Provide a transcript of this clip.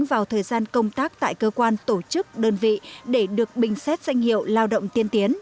vào thời gian công tác tại cơ quan tổ chức đơn vị để được bình xét danh hiệu lao động tiên tiến